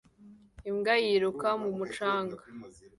Imbwa yiruka mu mucanga